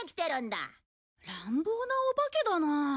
乱暴なお化けだな。